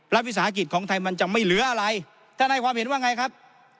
วิสาหกิจของไทยมันจะไม่เหลืออะไรท่านให้ความเห็นว่าไงครับ